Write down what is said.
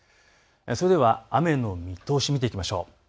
それでは雨の見通し見ていきましょう。